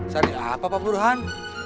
sari apa pak buruhan